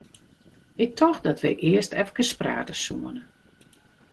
Ik tocht dat wy earst eefkes prate soene.